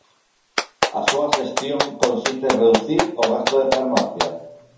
A súa xestión consiste en: ¿reducir o gasto de farmacia?